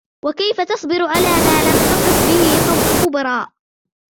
وكيف تصبر على ما لم تحط به خبرا